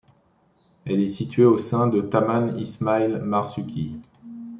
Elle est située au sein du Taman Ismail Marzuki.